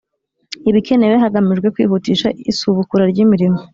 ibikenewe hagamijwe kwihutisha isubukura ry imirimo